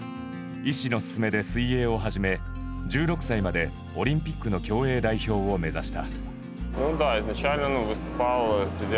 医師の勧めで水泳を始め１６歳まで、オリンピックの競泳代表を目指した。